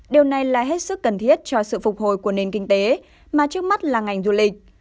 điều này là hết sức cần thiết cho sự phục hồi của nền kinh tế mà trước mắt là ngành du lịch